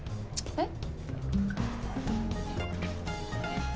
えっ？